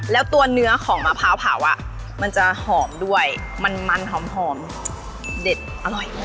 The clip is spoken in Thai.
แล้วตัวเนื้อของมะพร้าวเผาอ่ะมันจะหอมด้วยมันหอมเด็ดอร่อย